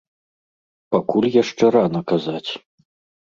Пакуль яшчэ рана казаць.